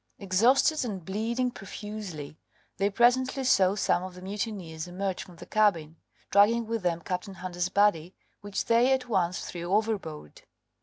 Exhausted and bleeding profusely, they presently saw some of the mutineers emerge from the cabin, dragging with them Captain Hunter's body, which they at once threw overboard.